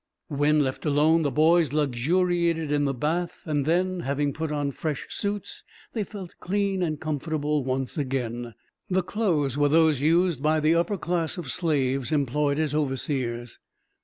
When left alone, the boys luxuriated in the bath; and then, having put on fresh suits, they felt clean and comfortable once again. The clothes were those used by the upper class of slaves, employed as overseers.